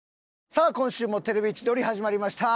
さあ今週も『テレビ千鳥』始まりました。